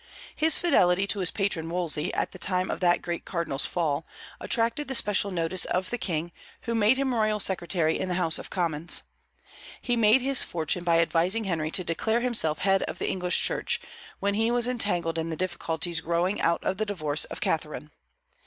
His fidelity to his patron Wolsey, at the time of that great cardinal's fall, attracted the special notice of the King, who made him royal secretary in the House of Commons. He made his fortune by advising Henry to declare himself Head of the English Church, when he was entangled in the difficulties growing out of the divorce of Catharine.